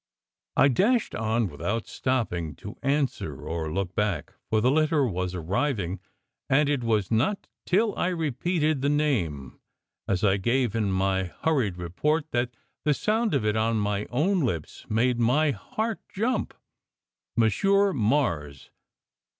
I dashed on without stopping to answer or look back, for the litter was arriving; and it was not till I repeated the name, as I gave in my hurried report, that the sound of it on my own lips made my heart jump. Monsieur Mars!